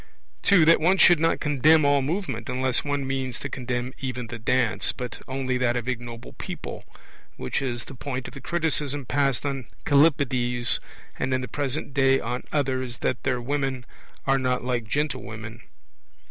(2) That one should not condemn all movement, unless one means to condemn even the dance, but only that of ignoble people which is the point of the criticism passed on Callippides and in the present day on others, that their women are not like gentlewomen.